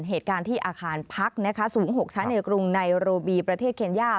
เหตุการณ์ที่อาคารพักนะคะสูง๖ชั้นในกรุงไนโรบีประเทศเคนย่า